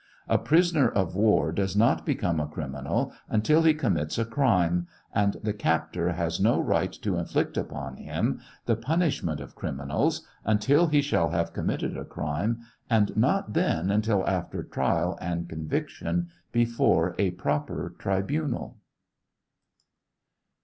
A prisoner of war does not become a criminal until he commits a crime, and the captor has no right to inflict upon him the punishment of criminals until he shall have committed a crime, and not then until after trial and conviction before a proper tribunal.